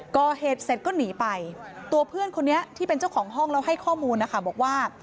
ก่อเหตุเสร็จก็หนีไปตัวเพื่อนคนนี้ที่เป็นเจ้าของห้องแล้วให้ข้อมูลนะคะบอกว่า